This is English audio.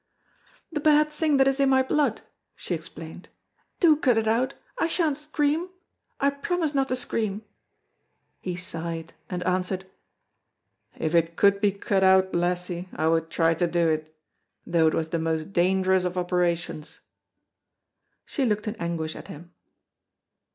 "The bad thing that is in my blood," she explained. "Do cut it out, I sha'n't scream. I promise not to scream." He sighed and answered, "If it could be cut out, lassie, I would try to do it, though it was the most dangerous of operations." She looked in anguish at him.